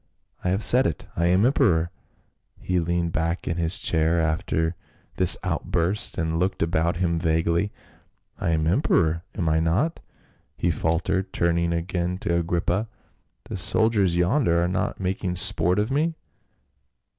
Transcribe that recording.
I have said it ; I am emperor." He leaned back in his chair after this outburst and looked about him vaguely. "I am emperor, am I not?" he faltered, turning again to Agrippa. " The soldiers yonder are not making sport of me